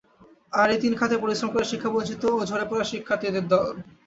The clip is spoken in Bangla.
আর এই তিন খাতেই পরিশ্রম করে শিক্ষাবঞ্চিত ও ঝরে পড়া শিক্ষার্থীর দল।